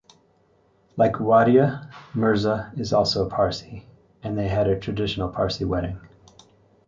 Like Wadia, Mirza is also a Parsi and they had a traditional Parsi wedding.